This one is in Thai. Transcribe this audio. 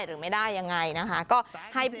หรือไม่ได้ยังไงนะคะก็ให้